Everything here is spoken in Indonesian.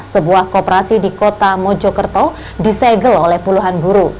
sebuah kooperasi di kota mojokerto disegel oleh puluhan guru